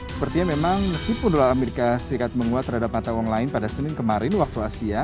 sepertinya memang meskipun dolar amerika serikat menguat terhadap mata uang lain pada senin kemarin waktu asia